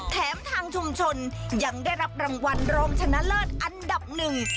แถมทางชุมชนยังได้รับรางวัลรองชนะเลิศอันดับหนึ่ง